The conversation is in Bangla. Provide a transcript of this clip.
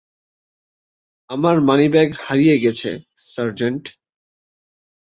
আমার মানিব্যাগ নিয়ে গেছে, সার্জেন্ট।